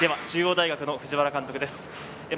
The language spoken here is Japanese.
中央大学・藤原監督です。